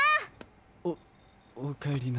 おっおかえりなさい。